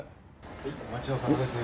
はいお待ちどおさまです。